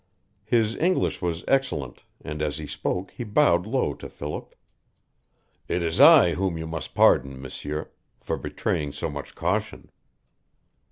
His English was excellent, and as he spoke he bowed low to Philip. "It is I whom you must pardon, M'sieur for betraying so much caution."